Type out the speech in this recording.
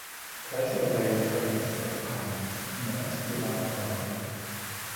Trešo reizi, kad mēs satikāmies, mēs kļuvām draugi.